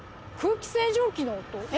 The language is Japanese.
空気清浄機の音？